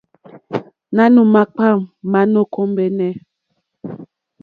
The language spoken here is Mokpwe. Manù makpà ma nò kombεnε.